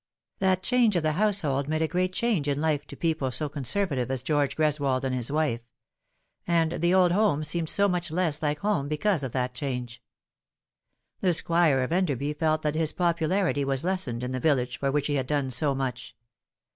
That change of the household made a great change in life to people so con servative as George Greswold and his wife ; and the old homo seemed so much the less like home because of that change. The Squire of Enderby felt that his popularity was lessened in the village for which he had done so much.